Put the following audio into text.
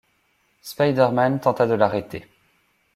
Spider-Man tenta de l'arrêter.